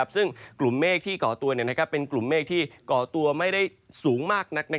ซึ่งกลุ่มเมฆที่ก่อตัวเป็นกลุ่มเมฆที่ก่อตัวไม่ได้สูงมากนัก